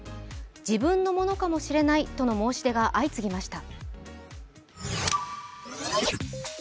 自分のものかもしれないとの申し出が相次ぎました。